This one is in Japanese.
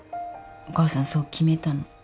お母さんそう決めたの。